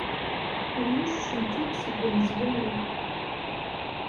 Ales ssenti-d seg umezwaru.